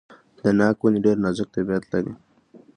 د ناک ونې ډیر نازک طبیعت لري.